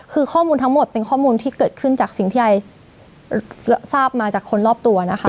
คือข้อมูลทั้งหมดเป็นข้อมูลที่เกิดขึ้นจากสิ่งที่ไอทราบมาจากคนรอบตัวนะคะ